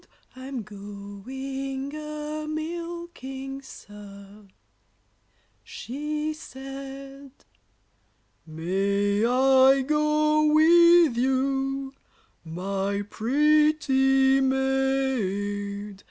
I'm going a milking, sir, she said. May I go with you, my pretty maid?